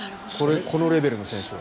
このレベルの選手は。